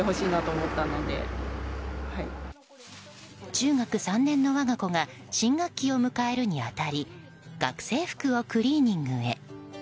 中学３年の我が子が新学期を迎えるに当たり学生服をクリーニングへ。